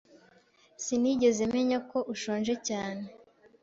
Sinigeze menya ko ushonje cyane.